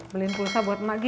beliin pulsa buat emak gi